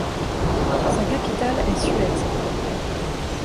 Sa capitale est Suez.